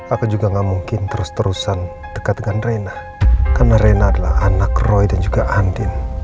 aku juga gak mungkin terus terusan dekat dengan reina karena rena adalah anak roy dan juga andin